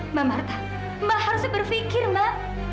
mbak marta mbak harus berpikir mbak